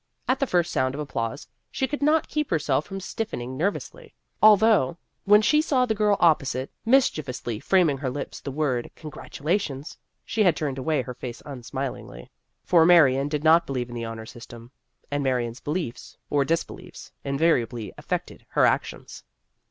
At the first sound of applause she could not keep herself from stiffening nervously, al though, when she saw the girl opposite mis chievously framing with her lips the word, "congratulations," she had turned away her face unsmilingly. For Marion did not believe in the honor system. And Marion's beliefs, or disbeliefs, invariably affected her actions.